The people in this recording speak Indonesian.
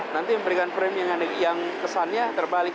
nanti memberikan frame yang kesannya terbalik